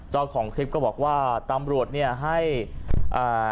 เจ้าของคลิปก็บอกว่าตำรวจเนี่ยให้อ่า